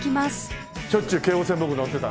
しょっちゅう京王線僕乗ってた。